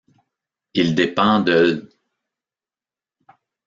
Il dépend de l'.